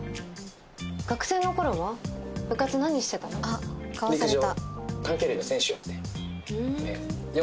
あっかわされた。